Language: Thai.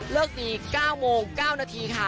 เลิกนี้๙โมง๙นาทีค่ะ